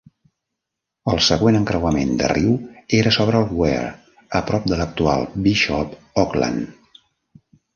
El següent encreuament de riu era sobre el Wear, a prop de l'actual Bishop Auckland.